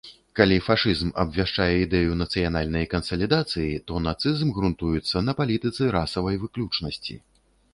Калі фашызм абвяшчае ідэю нацыянальнай кансалідацыі, то нацызм грунтуецца на палітыцы расавай выключнасці.